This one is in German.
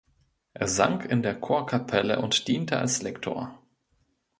Er sang in der Chorkapelle und diente als Lektor.